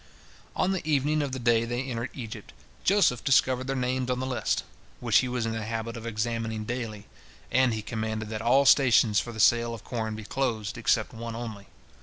" On the evening of the day they entered Egypt, Joseph discovered their names in the list, which he was in the habit of examining daily, and he commanded that all stations for the sale of corn be closed, except one only.